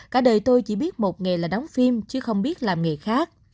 cả đời tôi chỉ biết một nghề là đóng phim chứ không biết làm nghề khác